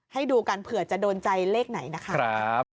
ให้ดูกันเผื่อจะโดนใจเลขไหนนะคะ